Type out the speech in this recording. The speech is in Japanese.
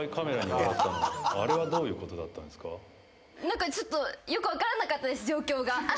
何かちょっとよく分からなかったです状況が。